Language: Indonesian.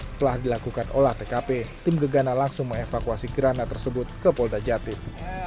setelah dilakukan olah tkp tim gegana langsung mengevakuasi granat tersebut ke polda jatim